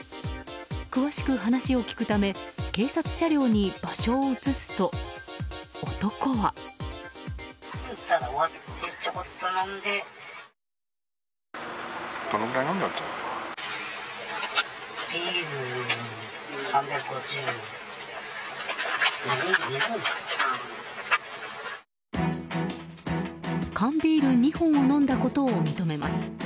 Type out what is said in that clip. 詳しく話を聞くため警察車両に場所を移すと、男は。缶ビール２本を飲んだことを認めます。